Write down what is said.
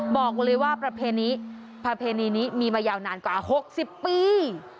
บอกเลยว่าพระเพณีนี้มีมายาวนานกว่าหกสิบปี